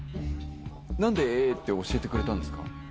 何でＡって教えてくれたんですか？